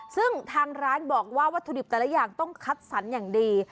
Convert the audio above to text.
ซึ่งทางร้านบอกว่าวัตถุดิบแต่ละอย่างต้องคัดสรรอย่างดี